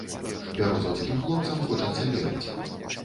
Бярозаўскім хлопцам хочацца верыць.